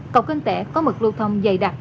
cầu kinh tẻ có mực lưu thông dày đặc